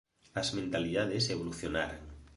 As mentalidades evolucionaran.